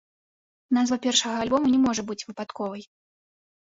Назва першага альбому не можа быць выпадковай.